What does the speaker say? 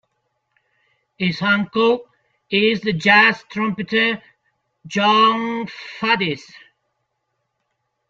His uncle is the jazz trumpeter Jon Faddis.